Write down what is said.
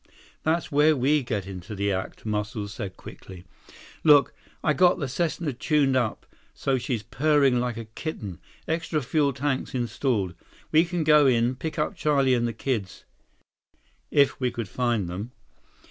"That's where we get into the act," Muscles said quickly. "Look, I got the Cessna tuned up so she's purring like a kitten. Extra fuel tanks installed. We can go in, pick up Charlie and the kids—" "If we could find them."